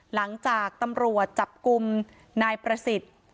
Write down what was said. หลังจากตำรวจจับกลุ่มนายประสิทธิ์